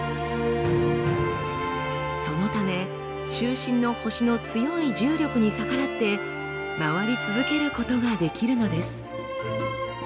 そのため中心の星の強い重力に逆らって回り続けることができるのです。